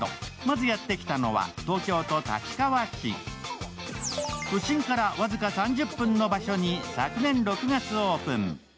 まずやって来たのは、東京都立川市都心から僅か３０分の場所に昨年６月オープン。